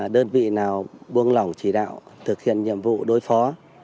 đơn vị nào buông lỏng chỉ đạo thực hiện nhiệm vụ đối phó